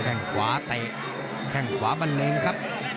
แค่งขวาเตะแข้งขวาบันเลงครับ